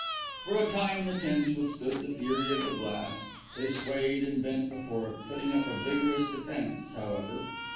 For a time the tents withstood the fury of the blast; they swayed and bent before it, putting up a vigorous defence however.